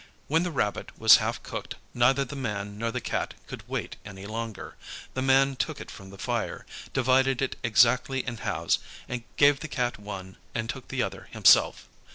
When the rabbit was half cooked, neither the man nor the Cat could wait any longer. The man took it from the fire, divided it exactly in halves, gave the Cat one, and took the other himself.